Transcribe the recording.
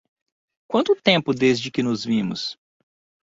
Quanto tempo desde que nos vimos?